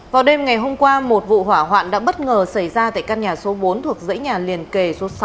vào đêm ngày hôm qua một vụ hỏa hoạn đã bất ngờ xảy ra tại căn nhà số bốn thuộc dãy nhà liền kề số sáu